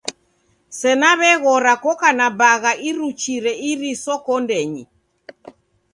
Sena w'eghora koka na bagha iruchire iriso kondenyi.